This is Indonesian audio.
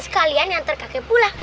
sekalian nyantar kakek pulang